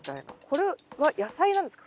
これは野菜なんですか？